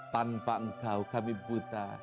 tanpa engkau kami buta